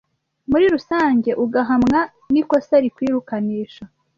muri rusange ugahamwa n’ikosa rikwirukanisha